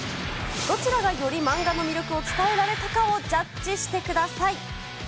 どちらがより漫画の魅力を伝えられたかをジャッジしてください。